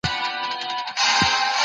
د ډبرو، صیقل او فلزاتو دوره.